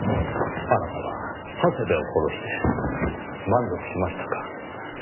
あなたは長谷部を殺して満足しましたか？